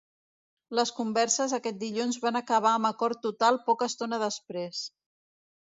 Les converses aquest dilluns van acabar amb acord total poca estona després.